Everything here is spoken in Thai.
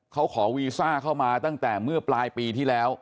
เขาขอวีซ่าเข้ามาตั้งแต่เมื่อปลายปีที่แล้ว